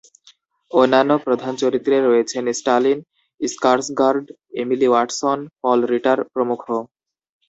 অন্যান্য প্রধান চরিত্রে রয়েছেন Stellan Skarsgard, Emily Watson, Paul Ritter প্রমুখ।